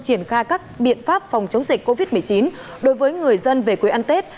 triển khai các biện pháp phòng chống dịch covid một mươi chín đối với người dân về quê ăn tết